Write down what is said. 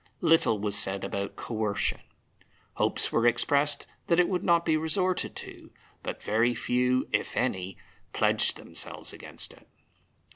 Little was said about Coercion. Hopes were expressed that it would not be resorted to, but very few (if any) pledged themselves against it.